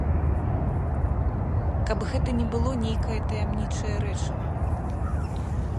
Каб гэта не было нейкае таямнічае рэчыва.